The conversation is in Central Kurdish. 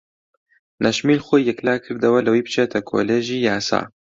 نەشمیل خۆی یەکلا کردەوە لەوەی بچێتە کۆلێژی یاسا.